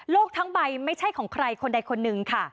ทั้งใบไม่ใช่ของใครคนใดคนหนึ่งค่ะ